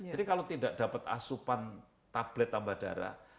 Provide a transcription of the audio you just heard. jadi kalau tidak dapat asupan tablet tambah darah